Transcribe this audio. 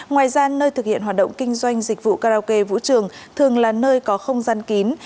ngoài ra nơi thực hiện hoạt động kinh doanh dịch vụ karaoke vũ trường thường là nơi có không gian kín